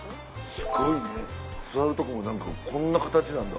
すごいね座るとこもこんな形なんだ。